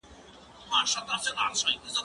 ميلمه د کتابتون له خوا هرکلی کيږي؟